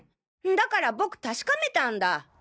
だから僕確かめたんだ。